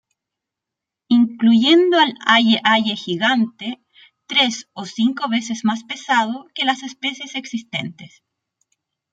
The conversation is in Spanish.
Incluyendo al aye-aye gigante, tres o cinco veces más pesado que las especies existentes.